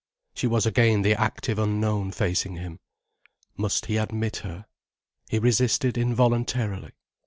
She was again the active unknown facing him. Must he admit her? He resisted involuntarily.